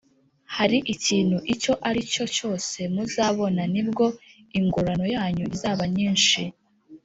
Hari ikintu icyo ari cyo cyose muzabona ni bwo ingororano yanyu izaba nyinshi